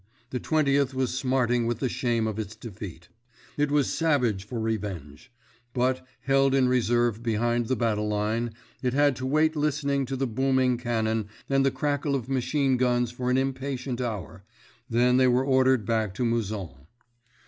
The Twentieth was smarting with the shame of its defeat; it was savage for revenge; but, held in reserve behind the battle line, it had to wait listening to the booming cannon and the crackle of machine guns for an impatient hour—then they were ordered back to Mouzon.